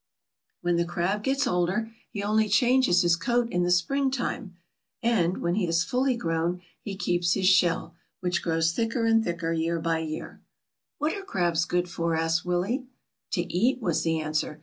^ When the crab gets older, he only changes his coat in the springtime, and, when he is fully grown, he keeps his shell, which grows thicker and thicker year by year." ^ What are crabs good for?" asked Willie. ^^To eat," was the answer.